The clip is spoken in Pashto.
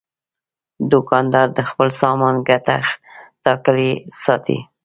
دوکاندار د خپل سامان ګټه ټاکلې ساتي.